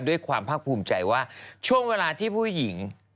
ด้วยความภาคภูมิใจว่าช่วงเวลาที่ผู้หญิง